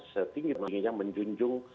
setinggi manajernya menjunjung